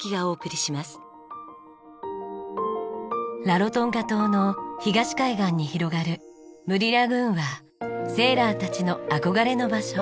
ラロトンガ島の東海岸に広がるムリラグーンはセーラーたちの憧れの場所。